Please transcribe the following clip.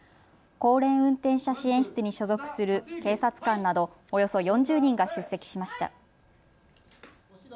高齢運転者支援室に所属する警察官などおよそ４０人が出席しました。